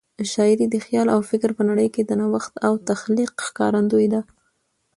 شاعري د خیال او فکر په نړۍ کې د نوښت او تخلیق ښکارندوی ده.